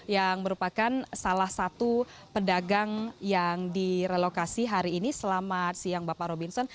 yang merupakan salah satu pedagang yang direlokasi hari ini selamat siang bapak robinson